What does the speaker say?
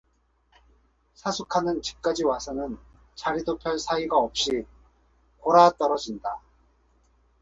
사숙하는 집까지 와서는 자리도 펼 사이가 없이 곯아떨어진다.